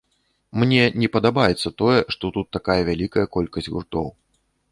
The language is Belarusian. Мне не падабаецца тое, што тут такая вялікая колькасць гуртоў.